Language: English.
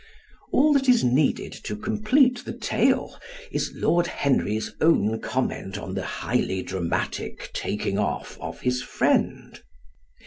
All that is needed to complete the tale is Lord Henry's own comment on the highly dramatic taking off of his friend.